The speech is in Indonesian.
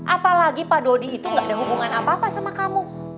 apalagi pak dodi itu gak ada hubungan apa apa sama kamu